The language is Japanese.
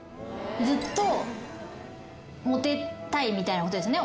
ずっとモテたいみたいなことですね